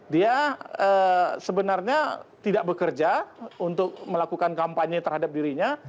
dia sebenarnya tidak bekerja untuk melakukan kampanye terhadap dirinya